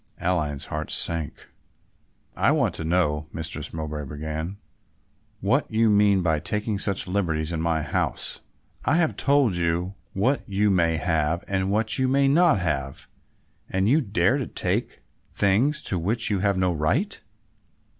Aline's heart sank. "I want to know," Mistress Mowbray began, "what you mean by taking such liberties in my house? I have told you what you may have and what you may not have, and you dare to take things to which you have no right."